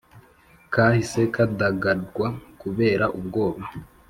Kahise kadagadwa kubera ubwoba